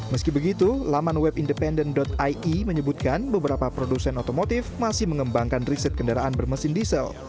meski begitu laman web independent ie menyebutkan beberapa produsen otomotif masih mengembangkan riset kendaraan bermesin diesel